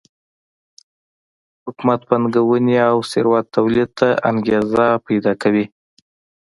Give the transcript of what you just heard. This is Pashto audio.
حکومت پانګونې او ثروت تولید ته انګېزه پیدا کوي.